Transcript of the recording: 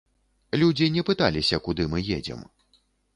Людзі не пыталіся, куды мы едзем.